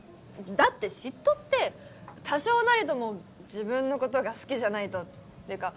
だって嫉妬って多少なりとも自分のことが好きじゃないとっていうか